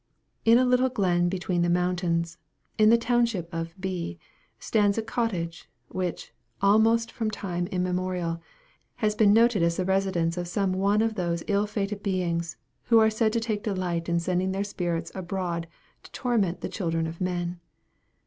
In a little glen between the mountains, in the township of B., stands a cottage, which, almost from time immemorial, has been noted as the residence of some one of those ill fated beings, who are said to take delight in sending their spirits abroad to torment the children of men.